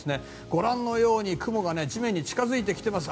ご覧のように雲が地面に近づいてきています。